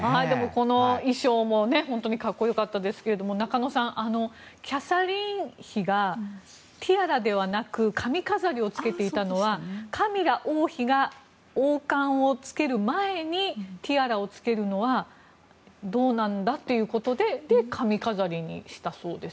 この衣装も本当に格好良かったですけども中野さん、キャサリン妃がティアラではなく髪飾りを着けていたのはカミラ王妃が王冠を着ける前にティアラを着けるのはどうなんだということで髪飾りにしたそうです。